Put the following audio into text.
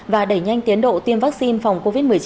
và đẩy nhanh tiến độ tiêm vaccine phòng covid một mươi chín